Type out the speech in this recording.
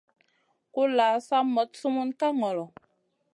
Kulʼla sa moɗ sumun ka ŋolo.